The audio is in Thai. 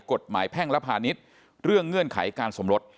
กฎหมายแพ่งรภานิษฐ์เรื่องเงื่อนไขการสมรส